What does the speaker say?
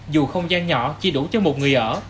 dù không gian nhỏ chỉ đủ cho một người ở